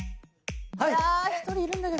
いや１人いるんだけど。